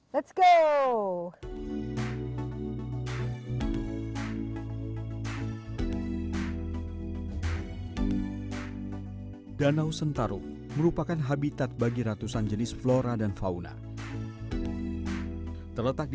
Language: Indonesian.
let's go danau sentarum merupakan habitat bagi ratusan jenis flora dan fauna terletak di